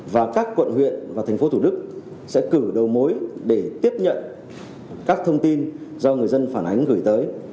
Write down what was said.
và các quận huyện và thành phố thủ đức sẽ cử đầu mối để tiếp nhận các thông tin do người dân phản ánh gửi tới